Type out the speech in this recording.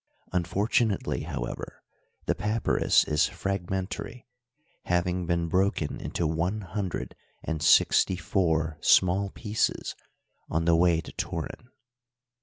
Unfortunately, however, the papyrus is fragmentary, hav ing been broken into one hundred and sixty four small f)ieces on the way to Turin.